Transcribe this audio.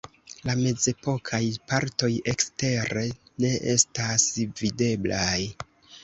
La mezepokaj partoj ekstere ne estas videblaj.